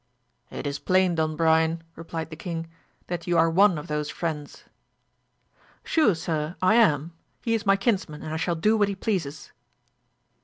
It is plain, Don Brian, replied the king, that you are one of those friends !— Sure, sir, I am ; he is my kinsman and I shall do what he pleases.